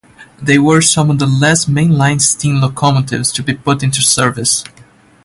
They were some of the last mainline steam locomotives to be put into service.